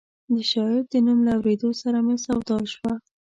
د شاعر د نوم له اورېدو سره مې سودا شوه.